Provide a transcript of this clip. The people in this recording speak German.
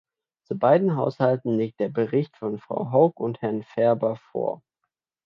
Zu beiden Haushalten liegt der Bericht von Frau Haug und Herrn Ferber vor.